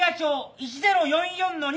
１０４４の２。